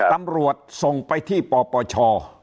ตำรวจส่งไปที่ปปช